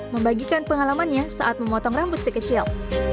membagikan pengalamannya saat memotong rambut si kecil